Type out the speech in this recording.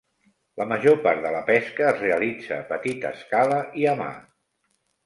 La major part de la pesca es realitza a petita escala i a mà.